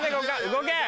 動け！